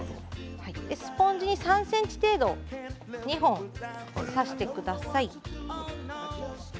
スポンジに３ｃｍ程度、２本挿してください。